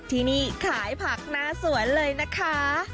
ที่นี่ขายผักหน้าสวนเลยนะคะ